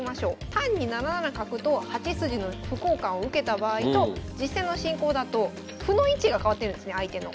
単に７七角と８筋の歩交換を受けた場合と実戦の進行だと歩の位置が変わってるんですね相手の。